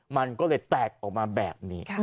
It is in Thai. มันก็เลยแตกออกมาแบบนี้